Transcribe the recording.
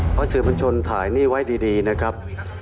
เพราะสื่อบัญชนถ่ายนี่ไว้ดีนะครับ